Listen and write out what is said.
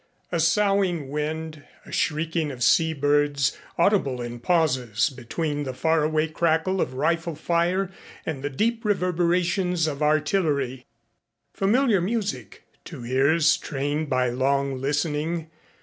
A soughing wind, a shrieking of sea birds, audible in pauses between the faraway crackle of rifle fire and the deep reverberations of artillery familiar music to ears trained by long listening.